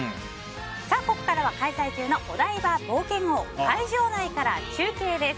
ここからは開催中のお台場冒険王会場内から中継です。